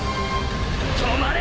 止まれ！